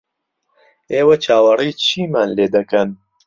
ئێوە چاوەڕێی چیمان لێ دەکەن؟